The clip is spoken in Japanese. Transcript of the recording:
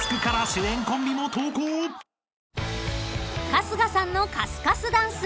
［春日さんのカスカスダンス］